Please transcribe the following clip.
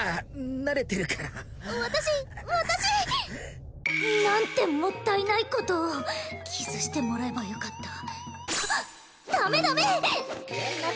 慣れてるから私私何てもったいないことをキスしてもらえばよかったはっ！